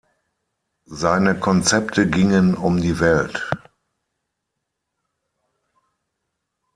Seine Konzepte gingen um die Welt.